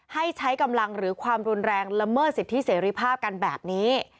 ให้ใช้กำลังหรือความรุนแรงละเมิดสิทธิเสรีภาพกันแบบนี้